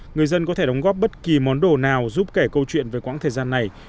người dân có thể đóng góp bất kỳ món đồ nào giúp kể câu chuyện về quãng thời gian này